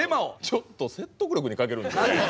ちょっと説得力に欠けるんですよね。